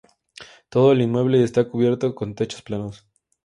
Todo el inmueble está cubierto con techos planos.